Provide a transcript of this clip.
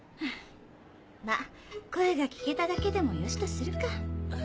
まぁ声が聞けただけでもよしとするか。